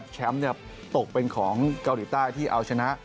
แชมป์ตกเป็นของเกาหลีใต้ที่เอาชนะ